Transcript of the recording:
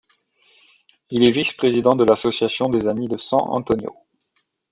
Il est vice-président de l'Association des Amis de San-Antonio.